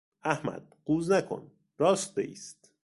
احمد، قوز نکن! راست بایست!